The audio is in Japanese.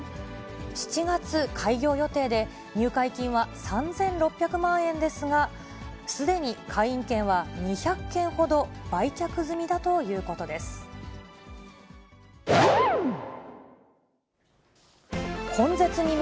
７月開業予定で、入会金は３６００万円ですが、すでに会員権は２００件ほど売却済みだとい「ビオレ」のまさつレス洗顔？